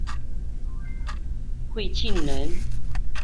讳庆仁。